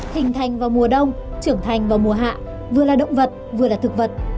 hình thành vào mùa đông trưởng thành vào mùa hạ vừa là động vật vừa là thực vật